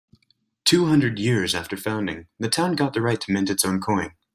Two hundred years after founding, the town got the right to mint its own coin.